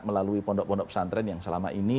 melalui pondok pondok pesantren yang selama ini